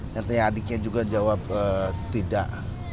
yang tanya adiknya juga jawab tidak